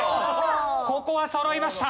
ここはそろいました。